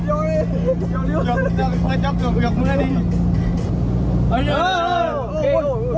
โอ้โหโอ้โหโอ้โหโอ้โห